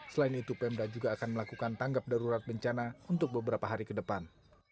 selain itu pemda juga akan melakukan tanggap darurat bencana untuk beberapa hari ke depan